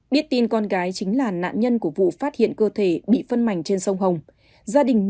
biết tin con gái chính là nạn nhân của vụ phát hiện cơ thể bị phân mảnh trên sông hồng gia đình